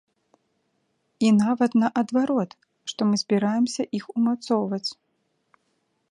І нават наадварот, што мы збіраемся іх умацоўваць.